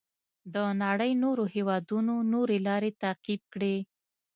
د نړۍ نورو هېوادونو نورې لارې تعقیب کړې.